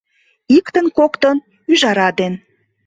Иктын-коктын ӱжара ден